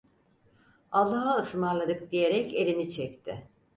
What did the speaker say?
"Allahaısmarladık" diyerek elini çekti.